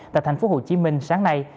tại thành phố hồ chí minh sáng nay